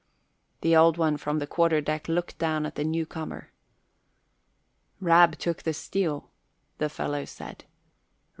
The Old One from the quarter deck looked down at the new comer. "Rab took the steel," the fellow said.